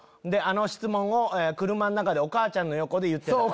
あの質問を車の中でお母ちゃんの横で言ってた。